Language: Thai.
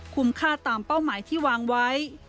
ค่าตามเป้าหมายที่วางไว้